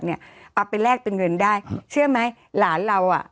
เอาไปแลกเป็นเงินได้เชื่อไหมหลานเราอ่ะ